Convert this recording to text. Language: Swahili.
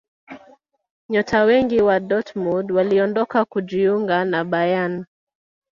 nyota wengi wa dortmund waliondoka kujiunga na bayern